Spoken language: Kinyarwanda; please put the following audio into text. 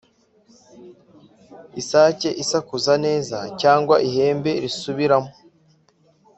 isake isakuza neza, cyangwa ihembe risubiramo,